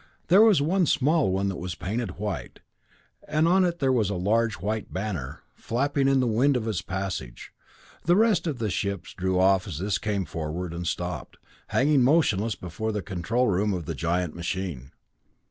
There was one small one that was painted white, and on it there was a large white banner, flapping in the wind of its passage. The rest of the ships drew off as this came forward, and stopped, hanging motionless before the control room of the giant machine.